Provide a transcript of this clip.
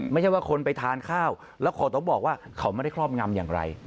ไม่ใช่ว่าคนไปทานข้าวแล้วเขาต้องบอกว่าเขาไม่ได้ครอบงำอย่างไร